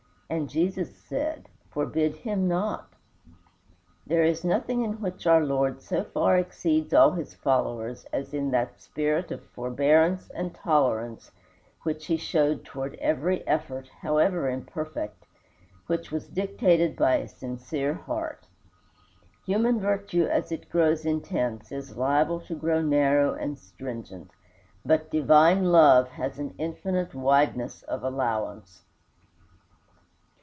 And Jesus said, Forbid him not." There is nothing in which our Lord so far exceeds all his followers as in that spirit of forbearance and tolerance which he showed toward every effort, however imperfect, which was dictated by a sincere spirit. Human virtue as it grows intense is liable to grow narrow and stringent; but divine love has an infinite wideness of allowance.